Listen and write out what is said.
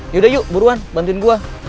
yaudah yuk buruan bantuin gue